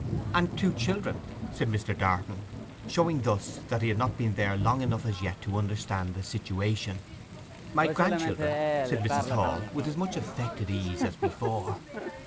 'And two children?' said Mr. Darton, showing thus that he had not been there long enough as yet to understand the situation. 'My grandchildren,' said Mrs. Hall, with as much affected ease as before.